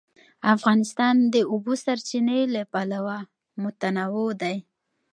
افغانستان د د اوبو سرچینې له پلوه متنوع دی.